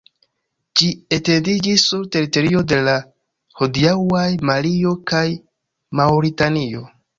Ĝi etendiĝis sur teritorio de la hodiaŭaj Malio kaj Maŭritanio.